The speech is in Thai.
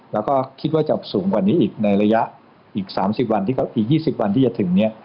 แล้วก็คิดว่าจะสูงกว่านี้อีกในระยะอีก๓๐วันอีก๒๐วันที่จะถึงเนี่ย